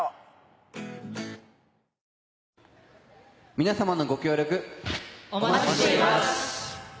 皆さまのご協力、お待ちしています。